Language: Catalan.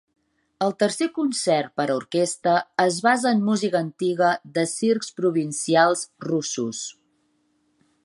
El tercer Concert per a Orquestra es basa en música antiga de circs provincials russos.